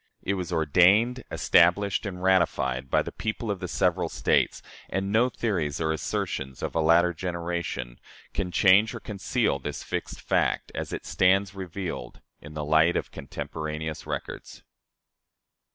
It was ordained, established, and ratified by the people of the several States; and no theories or assertions of a later generation can change or conceal this fixed fact, as it stands revealed in the light of contemporaneous records.